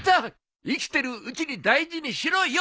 生きてるうちに大事にしろよ！